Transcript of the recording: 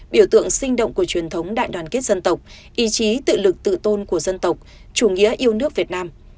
biểu tượng sinh động của truyền thống đại đoàn kết dân tộc ý chí tự lực tự tôn của dân tộc chủ nghĩa yêu nước việt nam